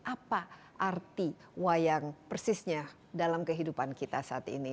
apa arti wayang persisnya dalam kehidupan kita saat ini